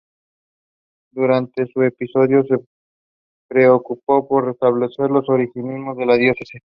Durante su episcopado se preocupó por restablecer los organismos de la diócesis.